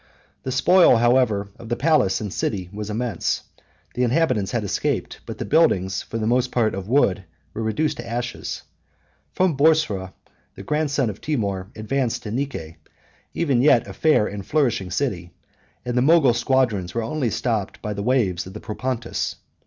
The spoil, however, of the palace and city was immense: the inhabitants had escaped; but the buildings, for the most part of wood, were reduced to ashes. From Boursa, the grandson of Timour advanced to Nice, ever yet a fair and flourishing city; and the Mogul squadrons were only stopped by the waves of the Propontis.